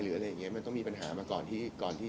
จริงผมค่อนข้างคุณครับคุณค่อนข้างเรามีเครียดหรือห่วงใจ